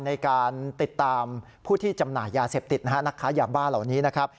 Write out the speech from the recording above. ในการติดตามผู้ที่จำหน่ายยาเสพติดนะฮะนักค้ายาบ้าเหล่านี้นะครับ